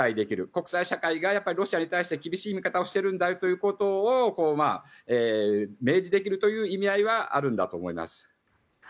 国際社会がロシアに対して厳しい見方をしているということを明示できるという意味合いはあるんだと思います。